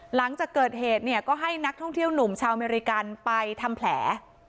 หลังจากเกิดเหตุเนี่ยก็ให้นักท่องเที่ยวหนุ่มชาวอเมริกันไปทำแผล